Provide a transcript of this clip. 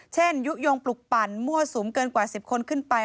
ยุโยงปลุกปั่นมั่วสุมเกินกว่า๑๐คนขึ้นไป